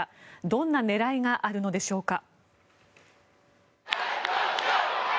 どんな狙いがあるのでしょうか？